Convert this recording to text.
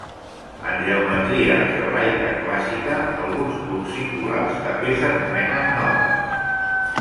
En geometria algebraica clàssica, alguns punts singulars també s'anomenen nodes.